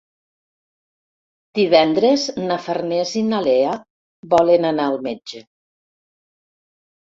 Divendres na Farners i na Lea volen anar al metge.